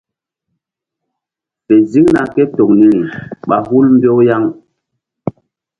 Fe ziŋna ke toŋ niri ɓa hul mbew yaŋ.